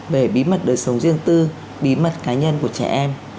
về bí mật đời sống riêng tư bí mật cá nhân của trẻ em